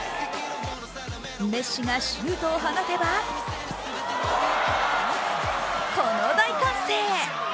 メッシがシュートを放てば、この大歓声。